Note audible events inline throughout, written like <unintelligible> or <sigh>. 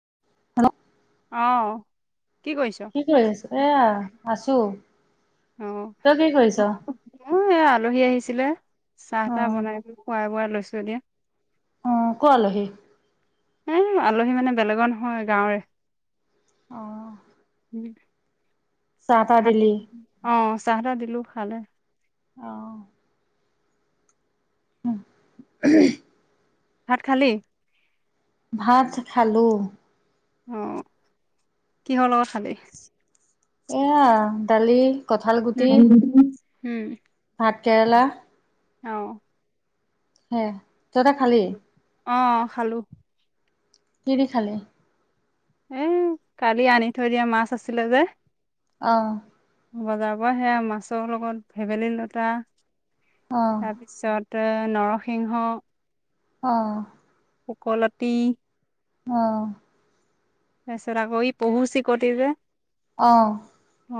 <unintelligible> অঁ কি কৰি আছ'? এয়া আছো। তই কি কৰিছ'? অ এ আলহী আহিছিলে চাহ তাহ বনাই খোৱাই বোৱাই লৈছো এতিয়া অ কৰ আলহি? এ আলহী মানে বেলেগৰ নহয় গাঁওৰে। আহঁ। উম ভাত অ চাহ দিলো খালে আহ <unintelligible> ভাত খালি? ভাত খালোঁ অঁ কিহৰ লগত খালি? এয়া দালি, কঁঠাল গুটি, উম উম। ভাত কেৰেলা। অঁ। হেহ ত'হতে খালি? অঁ খালো। কিদি খালি? এ কালি আনি থৈ দিয়া মাছ আছিলে যে। অ। বজাৰৰ পৰা সেয়া মাছৰ লগত ভেবেলী লতা অ' তাৰপিছত। নৰসিংহ। অ শুকলতি। অহ। তাৰপিছত আকৌ ই পহু চিকটে যে। অঁহ।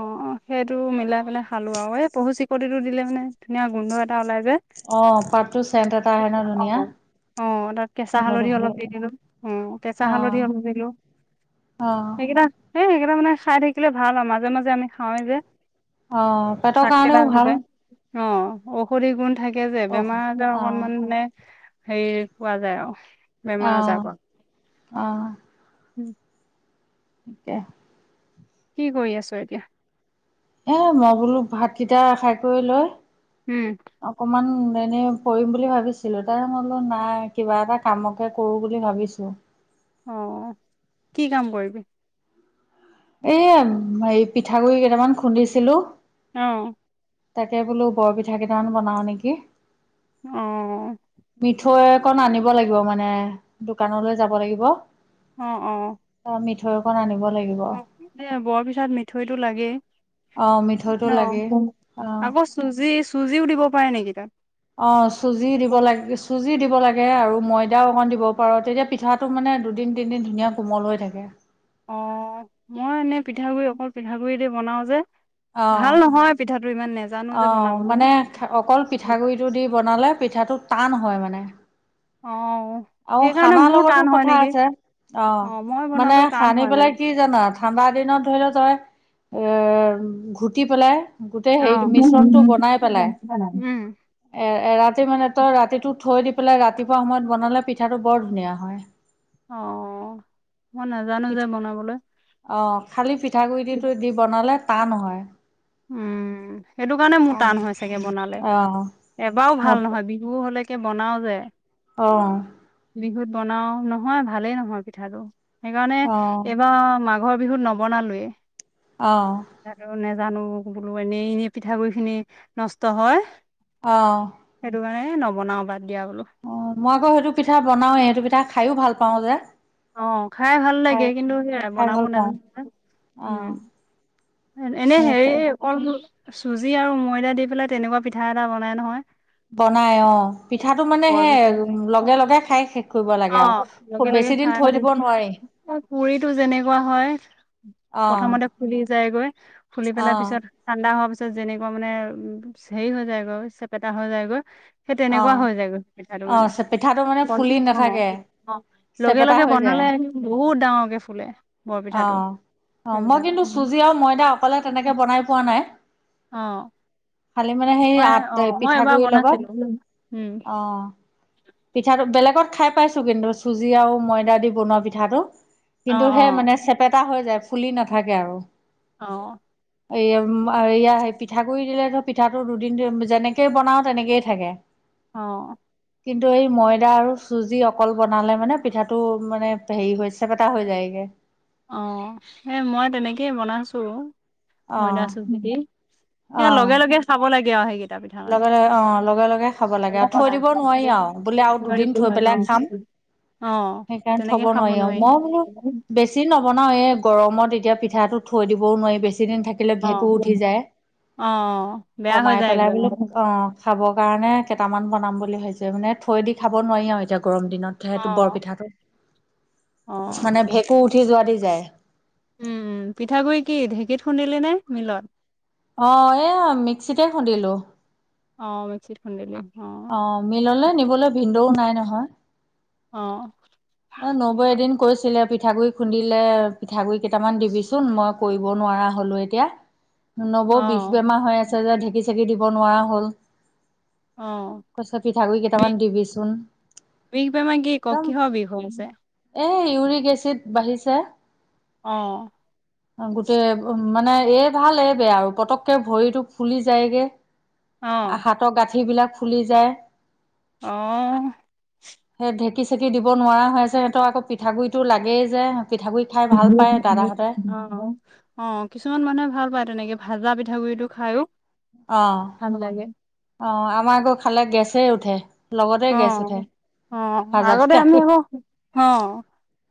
অ অ সেইটো মিলাই পেলাই খালো আউ এ পহু চিকতিটো দিলে মানে ধুনীয়া গোন্ধ এটা ওলাই। যে। অ পাতটো চেণ্ট এটা আহে ন ধুনীয়া। অঁ তাত কেঁচা গোন্ধটো হালধি ভাল অলপ দি লাগে। দিলো, উম কেঁচা হালধি অ' অলপ দিলো। অ' সেইকেইটা সেই সেইকেইটা মানে খাই থাকিলে ভাল আৰু মাজে মাজে। যে আমি খাওৱেই যে অ' পেটৰ ভাত কেইটা কাৰণেও ভাল। আহোতে। অঁ ঔষধি গুণ থাকে যে অ' বেমাৰ আজাৰ অ' অকনমান মানে সেই কোৱা যায় আৰু। বেমাৰ অহ অহ। উম <unintelligible> ঠিকে কি কৰি আছ এতিয়া? এ মই বোলো ভাতকেইটা খাই কৰি লয় উম অকমান এনেই পৰিম বুলি ভাবিছিলো তাই বোলো নাই কিবা এটা কামকে কৰো বুলি ভাবিছো। অ কি কাম কৰিবি? এয়া হেৰি পিঠাগুৰি কেইটামান খুন্দিছিলো অহ। তাকে বোলো বৰপিঠা কেইটামান বনাও নেকি অ', মিঠা। থৈকন আনিব লাগিব মানে দোকানলৈ যাব লাগিব। অঁ-অঁ। দৈকণ আনিব লাগিব। এ বৰপিঠাত মিঠৈটো লাগেই অ', মিঠৈটো লাগে ন অ'। আকৌ চুজি কি চুজিও দিব পাৰে নেকি তাত? অ চুজি দিব লাগে, চুজি দিব লাগে। এইয়াই আৰু ময়দাও অকণ দিব পাৰো তেতিয়া পিঠাটো মানে দুদিন তিনিদিন ধুনীয়া কোমল হৈ থাকে। অ মই এনেই পিঠাগুৰি অকল পিঠাগুৰি দি বনাও যে। অ ভাল নহয় পিঠাটো ইমান নেজানো যে আহ বনাবলৈ মানে অকল পিঠাগুৰিটো দি বনালে। পিঠাটো টান হয় মানে। অঁহ। আও খানাৰ লগতো কথা আছে অ। মই মানে বনালো টান সানি হয় মানে পেলাই কি জানা ঠাণ্ডা দিনত ধৰি লও তই। এৰ ঘুটি পেলাই গোটেই অ হেৰিটো মিশ্ৰণটো উম বনাই পেলাই। এ এৰাতি মানে তই ৰাতিটো থৈ দি। পেলাই ৰাতিপুৱা সময়ত বনালে পিঠাটো বৰ ধুনীয়া হয়। অ-অ অ খালি পিঠাগুৰি দিটো দি বনালে টান নহয়। উম সেইটো কাৰণে মোৰ টান হয় চাগে বনালে অ', এবাৰও অ', ভাল নহয় বিহু হলে। কে বনাও যে। অঁ! বিহুত বনাও নহয় ভালেই নহয় পিঠাটো সেইকাৰণে অ', এইবাৰ মা- ঘৰ বিহুত নবনালোৱে অহ জানো বোলো এনেই-এনেই পিঠাগুড়িখিনি নষ্ট হয় অ এ নবনাও বাত- অ মই আকৌ সেইটো পিঠা বনাওেই সেইটো পিঠা খায়ো ভাল পাওঁ যে। অ খাই ভাল লাগে খাই কিন্তু সেয়াই খাই বনাব ভাল পাওঁ নাজানো যে হুম অ', এনে হেৰি সেইটোৱে। কল মূল চুজি আৰু ময়দা দি পেলাই তেনেকুৱা পিঠা এটা বনাই নহয়। বনাই অ পিঠাটো মানে বৰ সেই পিঠা। লগে লগে খাই শেষ কৰিব লাগে আৰু অ' খুব লগে লগে বেছি দিন খাই থৈ দিব নোৱাৰি পুৰিটো যেনেকুৱা হয় অ', প্ৰথমতে ফুলি যায়গৈ ফুলি পেলাৰ অ', পিছত ঠাণ্ডা হোৱা পিছত তত যেনেকুৱা মানে উ হেৰি হৈ যায়গৈ চেপেটা হৈ যায়গৈ সেই তেনেকুৱা অ', হৈ যায় গৈ পিঠাটো মানে অ', পিঠাটো মানে ফুলি নাথাকে <unintelligible> লগে চেপেটা লগে হৈ যায়। বনালে বহুত ডাঙৰকে ফুলে অ বৰপিঠাটো অ সেই মই পিঠাটো কিন্তু চুজি আৰু ময়দা অকলে তেনেকে বনাই পোৱা নাই। অঁ খালি মানে সেই আ তে পিঠাগুড়িৰ লগত। বনাইছিলো। উম, অ পিঠাটো বেলেগত- খাই পাইছো কিন্তু চুজি আৰু ময়দা দি বনোৱা পিঠাটো অ', কিন্তু সেই অ', মানে চেপেটা হৈ যায় ফুলি নাথাকে আৰু অহ। এই পিঠাগুড়ি দিলে ধৰ পিঠাটো দুদিন যেনেকেই বনাওঁ তেনেকেইয়ে থাকে। অ কিন্তু এই ময়দা আৰু চুজি অকল বনালে মানে পিঠাটো মানে হেৰি হৈ চেপটা হৈ যায়গে অ সেই মই তেনেকেই বনাইছো অ ময়দা চুজি দি সেই লগে লগে চাব লাগে আৰু সেইকেইটা পিঠা মানে। লগে-লগে অ লগে-লগে খাব লাগে আৰু থৈ বনাই। দিব নোৱাৰি আৰু বোলে আৰু দুদিন থৈ পেলাই খাম অ', অ', সেইকাৰণে থব তেনেকে খাব নোৱাৰি আৰু মই বোলো বেছি বেছি নবনাওঁ এই গৰমত এতিয়া পিঠাটো থৈ দিবও নোৱাৰি বেছি দিন থাকিলে অ', ভেঁকুৰ অ', উঠি যায় অ', বেয়া হৈ কমাই পেলাই যায়গৈ বোলে অ খাবৰ কাৰণে কেইটামান বনাম বুলি হৈছে মানে থৈ দি খাব নোৱাৰি আৰু এতিয়া গৰম দিনত সেইটো অ', বৰপিঠাটো অ'। মানে ভেকুৰ উঠি যোৱা দি যায়। উম! পিঠাগুড়ি কি ঢেঁকীত খুন্দিলি নে মিলত? অ এ আহ মিক্সিতে খুন্দিলো। অ', মিক্সিত খুন্দিলি অ মিললে নিবলৈ ভিন্দও নাই নহয় অ এ নবৈ এদিন কৈছিলে পিঠাগুৰি খুন্দিলে পিঠাগুৰি কেইটামান দিবিচোন মই কৰিব নোৱাৰো নোৱাৰা হ'লো এতিয়া নবৌ বিষ অ', বেমাৰ হৈ আছে যে ঢেঁকী-চেঁকি দিব নোৱাৰা হ'ল অ', পিঠাগুড়িৰ বিষ কেইটামান দিবিচোন একদম বোলছে এই ইউৰিক এচিড বাঢ়িছে অ', গোটেই মানে এই ভাল এই বেয়া আৰু পতককে ভৰিটো ফুলি যায়গে। অ', হাতৰ গাঁঠিবিলাক ফুলি যায় অ', সেই ঢেঁকী চেকি দিব নোৱাৰা হৈছে সিহঁতক আকৌ পিঠাগুড়িটো লাগেই যে পিঠাগুৰি খাই অ ভাল পায় দাদাহঁতে অ কিছুমান মানুহে ভাল পায় তেনেকে। ভাজা পিঠাগুড়ি তো খাইও। অ ভাল লাগে। অ আমাৰ আকৌ খালে গেছে উঠে। লগতে অ গেছ উঠে অ ভাজা আগতে পিঠা আমি কৰি। আকৌ অ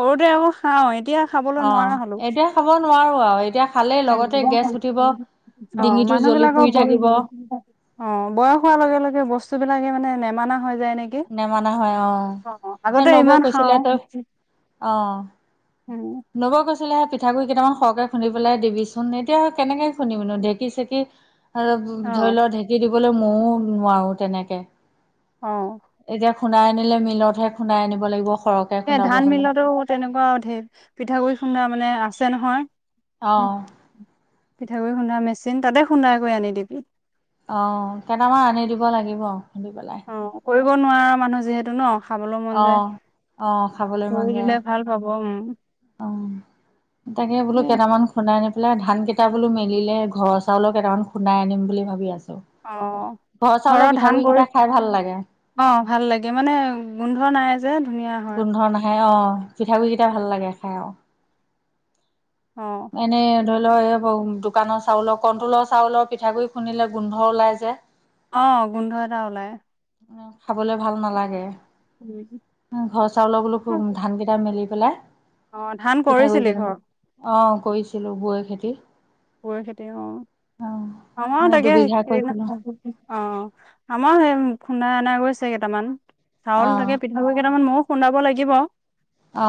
সৰুতে আকৌ। খাওঁ এতিয়া খাবলৈ অ নোৱাৰা এতিয়া খাব নোৱাৰো আৰু। এতিয়া খালেই লগতে গেছ উঠিব অ ডিঙিটো জ্বলি মানুহবিলাকৰ অ পুৰি থাকিব বয়স। খোৱাৰ লগে-লগে বস্তুবিলাকে মানে নেমানা হয়। নেকি নেমানা হয় অ অ এ আগতে নবৌ ইমান কৈছিলে খাওঁ। তই উম নব কৈছিলে হে প। পিঠাগুৰি কেইটামান সৰহকে খুন্দি পেলাই দিবিচোন এতিয়া কেনেকে খুন্দবিনো ঢেঁকী চেকি। আৰু অ ধৰি লওক ঢেঁকী দিবলৈ মইও নোৱাৰো তেনেকে। অ এতিয়া খুন্দাই আনিলে মিলতহে খুনাই আনিব লাগিব? সৰহকে এ খুন্দাব ধান হলে মিলতো তেনেকুৱা ধঢেৰ পিঠাগুৰি খুন্দা মানে আছে নহয়। আহ! শুনা মেচিন তাতে খুন্দাই কৈ আনি দিম। আহ কেইটামান আনি দিব লাগিব খুধি পেলাই? অ কৰিব নোৱাৰা মানুহ যিহেতু ন খাবলৈ মন যায় অ', অ', খাবলৈ মন কৰি যায়। দিলে ভাল পাব। ব উম। অ', তাকে বোলো কি কেইটামান খুন্দাই আনিম। এইফালে ধানকেইটা বোলো মেলিলে ঘৰৰ চাউলো কেইটামান খুন্দাই আনিম বুলি ভাবি আছোঁ। অ চাউলৰ ঘৰৰ ধান পিঠাগুৰি কেইটা খাই কৰিছিল? ভাল লাগে, অ, ভাল লাগে, মানে গোন্ধ নাই। যে ধুনীয়া হয় গোন্ধ নাখাই আহ, পিঠাগুৰি কেইটা ভাল লাগে খাই আৰু। অ এনেই ধৰি লও এ দুকানৰ চাউলৰ কণটলৰ চাউলৰ পিঠাগুৰি খুন্দিলে গোন্ধ ওলাই যে। অ গোন্ধ এটা ওলাই। খাবলৈ ভাল নালাগে উম, ঘৰ চাউলৰ বোলো ধানকেইটা মেলি। পেলাই অ ধান পিঠাগুৰি কৰিছিলি কেইজন ঘৰ অ কৰিছিলো পোৰই খেতি পোৰই খেতি অ। অ আমাৰ তাকে দুবিঘা সেইনা কৈছিলো অ আমাৰ সেই খুন্দা অনা গৈছে কেইটামান, অ চাউল থাকে পিঠাগুড়ি কেইটামান ময়ো খুন্দাব লাগিব। অ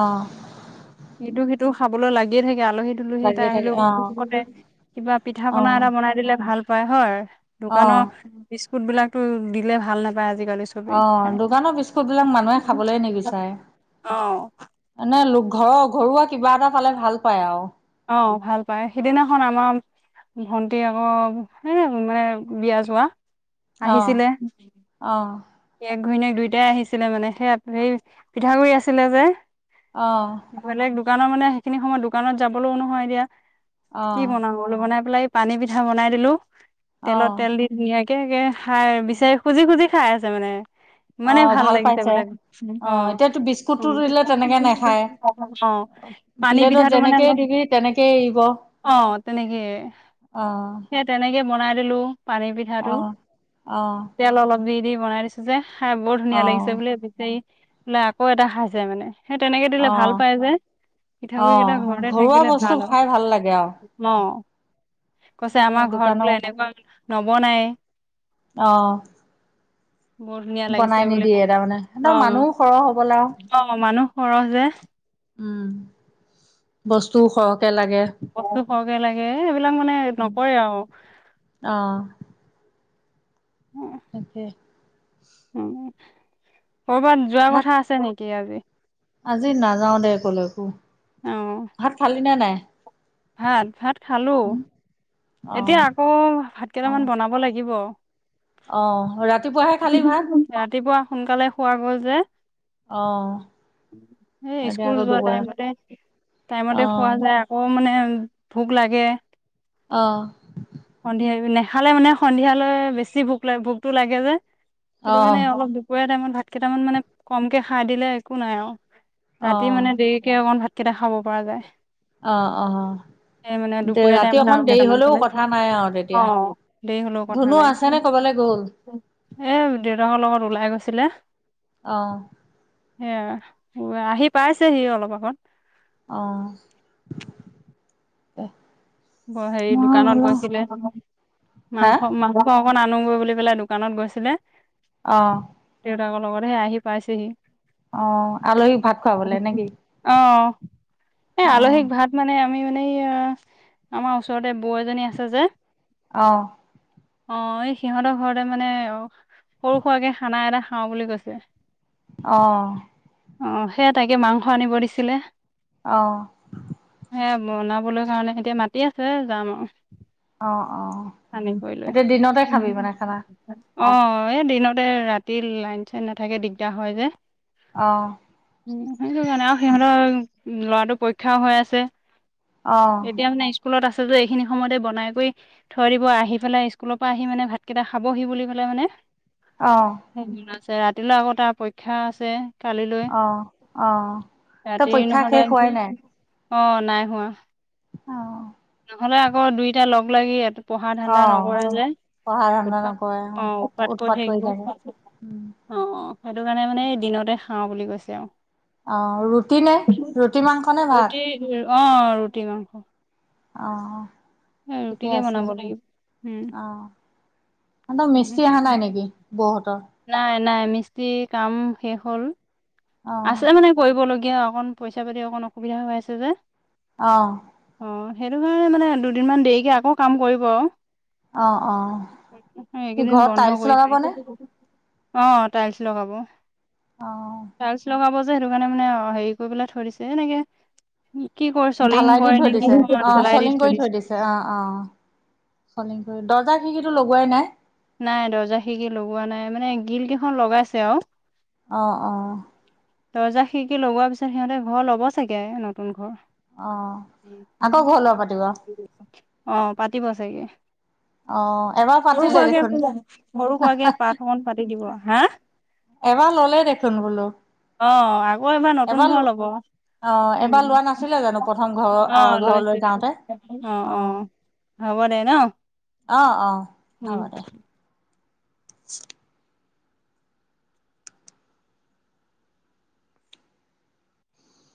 ইটো সিটো খাবলৈ লাগিয়ে থাকে। আলহী তুলহী এটা লাগে থাকে আহিলেও অ পতে, কিবা পিঠা অ পনা এটা বনাই দিলে ভাল পায় হয়। অ দোকানৰ বিস্কুট বিলাকতো দিলে ভাল না অ, দোকানৰ বিস্কুট বিলাক মানুহে খাবলে নিবিচাৰে। অ এনে লোক ঘৰৰ ঘৰুৱা কিবা এটা পালে ভাল পায় আৰু। আহ ভাল পাই সিদিনাখন আমাৰ ভন্টি আকৌ, এ মানে বিয়া যোৱা অ আহিছিলে অ ঘৈণীয়েক দুয়োটাই আহিছিলে মান সেইয়া, সেই পিঠাগুৰি আছিলে যে অ'হ বেলেগ দোকানৰ মানে সেইখিনি সময়ত দোকানত যাবলৈও নহয় এতিয়া, অ কি বনাম বোলো? বনাই পেলাই পানী পিঠা বনাই দিলো, অ তেলত তেল দি ধুনীয়াকে খাই বিচাৰি খুজি খুজি খাই আছে মানে। অ ইমানেই মানে ভাল লাগিছে পাইছে বোলে অ এতিয়াতো বিস্কুটটো দিলে তেনেকে নাখায় অ। অ, পানী প্লেটত পিঠাটো মানে যেনেকেই অলপ দিবি তেনেকেই এৰিব অ তেনেকেই, অ সেই তেনেকে বনাই দিলো পানী পিঠাটো, অ তেল অলপ দি দি বনাই দিছো যে। খাই বৰ ধুনীয়া অ লাগিছে বুলিয় বিচাৰি বোলে আকৌ এটা খাই যায় মানে। সেই তেনেকে দিলে ভাল অ পায় যে, পিঠাগুৰি কেইটা অ' ঘৰতে ঘৰুৱা থাকিলে বস্তু ভাল অ, খাই লাগে আৰু অ। কৈছে এ আমাৰ ঘৰত বোলে দোকানত এনেকুৱা নবনাই। অ' বৰ ধুনীয়া বনাই লাগিছে বোলে। নিদিয়ে তাৰমানে একদম অ, মানুহো সৰহ হ'বলা আৰু। অ মানুহ সৰহ যে উম বস্তু হওক বস্তু সৰহকে লাগে, এইবিলাক মানে নকৰে আৰু। অ' তাকে। উম, কৰ'বাত যোৱা ভাত কথা আছে নেকি আজি? আজি নাযাও দে কলৈকো, অ ভাত খালি নে নাই? ভাত ভাত খালো, এতিয়া অ' আকৌ ভাত কেইটামান অ' বনাব লাগিব। অ' ৰাতিপুৱাহে খালি ভাত ৰাতিপুৱা সোনকালে খোৱা গল যে, অ। এ, এতিয়া স্কুল আকৌ যোৱা দুপৰীয়া টাইমতে-টাইমতে খোৱা অ' যায়, আকৌ মানে ভোক লাগে অ' সন্ধিয়া নেখালে মানে সন্ধিয়ালৈ বেছি ভোক লাগ ভোকটো লাগে যে। সেইটো কাৰণে, অ' অলপ দুপৰীয়া টাইমত ভাত কেইটামান মানে কমকে খাই দিলে, একো নাই আৰু অ' ৰাতি মানে দেৰিকে অকমান ভাতকেইটা খাব পৰা যায়। অ' অ' সেই মানে, দুপৰীয়া ৰাতি টাইমত অকণ আৰু দেৰি কেইটামান হলেও কথা নাই আৰু অ, তেতিয়া দেৰি হলেও কথা ধুনু নাই। আছে নে ক'বালৈ গ'ল? এ দেউতাকৰ লগত ওলাই গৈছিলে। আহ। সেইয়া, আহি পাইছেহি অলপ আগত। আহ এ <inaudible> ব হেৰি দোকানত গৈছিলে। হা মাংস, মাংস অকণ আনো <unintelligible> বুলি পেলাই দোকানত গৈছিলে। অহ দেউতাকৰ লগত হে আহি পাইছেহি। অ', আলহীক ভাত খুৱাবলে নেকি? অ, এই অ', আলহীক ভাত মানে আমি মানে এইয়া, আমাৰ ওচৰতে বৌ এজনী আছে যে আহ। অ এই সিহঁতৰ ঘৰতে মানে, অ সৰু সোৰাকে খানা এটা খাওঁ বুলি কৈছে। আহ। অ সেইয়া তাকে মাংস আনিব দিছিলে। আহ। এ বনাবলৈ কাৰণে এতিয়া মাতি আছে যাম আও। অ অ। চানি কৰি লৈ, এতিয়া দিনতে খাবি মানে খানা? আহ এই দিনতে ৰাতি লাইন-চাইন নাথাকে, দিগদাৰ হয় যে অ', উম, সেইটো কাৰণে আৰু সিহঁতৰ ল'ৰাটো পৰীক্ষাও হৈ আছে। অ', এতিয়া মানে, আহিছো স্কুলত আছে যে, এইখিনি সময়তে বনাই কৰি থৈ দিব। আহি পেলাই স্কুলৰ পৰা আহি মানে ভাতকেইটা খাবহি বুলি পেলাই মানে আহ আ ৰাতিলৈ আকৌ তাৰ পৰীক্ষা আছে। কালিলৈ, অ', অ', তই ৰাতি পৰীক্ষা নহলে শেষ হোৱাই নাই? অ নাই হোৱা। অ নহ'লে আকৌ, দুইটা লগ লাগি পঢ়া ধান্দা অ', নকৰে যে। পঢ়া ধান্দা উৎপাত নকৰে উৎপাদ কৰি উৎপাত থাকিব। থাকে। অ-অ, সেইটো কাৰণে মানে, এই দিনতে খাওঁ বুলি কৈছে এও আহ ৰুটি নে, ৰুটি মাংস নে ৰুটি ভাত? অ ৰুটি মাংস। অ এই ঠিকে ৰুটিকে আছে, বনাব লাগিব উম অ। সিহতৰ মিস্ত্ৰী অহা নাই নেকি বৌহতৰ নাই নাই মিস্ত্ৰী কাম শেষ হ'ল অ', আছে মানে কৰিবলগীয়া। কিয় অকণ পইচা পাতি অকণ অসুবিধা হৈ আছে যে। আহ। অ, সেইটো কাৰণে, মানে দুদিনমান দেৰিকে আকৌ কাম কৰিব অ', অ', কি এইকেইদিন ঘৰত বন্ধ টাইলছ কৰি লগাবনে? থৈছে অ টাইলছ লগাব। অ। টাইলচ্ লগাব যে, সেইটো কাৰণে মানে হেৰি কৰি পেলাই থৈ দিছে, এনেকে কি কৰো চলিং ঢালাই দি কৰে থৈ নে দিছে কি? অ', ঢেলাই দি চলিং থৈ কৰি দিছে। অ', অ', চলিং কৰি দৰ্জা খিৰিকিটো লগোৱাই নাই। নাই দৰ্জা খিকি লগোৱা নাই মানে গিল কেইখন লগাইছে আৰু আহ, অ দৰ্জা খিৰিকি লগোৱাৰ পিছত সিহঁতে ঘৰ ল'ব চাগে নতুন ঘৰ। অ', আকৌ ঘৰ লোৱা পাতিব অ, পাতিব চাগে অ, এবাৰ সৰু পাতিলে সুৰাকে দেখোন সৰু খোৱাকে পঠ অকন পাতি দিব হা। এবাৰ ল'লে দেখোন বোলো অ আকৌ এবাৰ নতুন ঘৰ ল'ব অ', উম এবাৰ লোৱা নাছিলে জানো প্ৰথম ঘৰৰ অ আ ঘৰলৈ লৈছিল যাওঁতে? অ অ হ'ব দেই ন অ অ উম। হব দে <unintelligible>